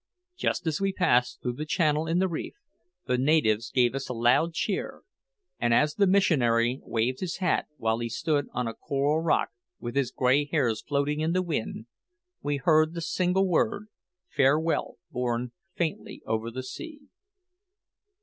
Just as we passed through the channel in the reef the natives gave us a loud cheer; and as the missionary waved his hat, while he stood on a coral rock with his grey hairs floating in the wind, we heard the single word "Farewell" borne faintly over the sea.